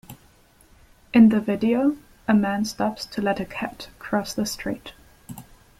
In the video, a man stops to let a cat cross the street.